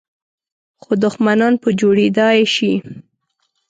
خو دښمنان په جوړېدای شي .